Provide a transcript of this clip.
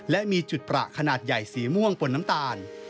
และมีจุดประขนาดใหญ่สีม่วงบนน้ำตาล